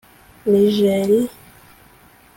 Niger